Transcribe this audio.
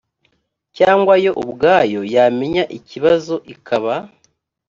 cyangwa yo ubwayo yamenya ikibazo ikaba